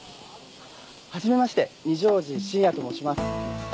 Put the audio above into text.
初めまして二条路信也と申します。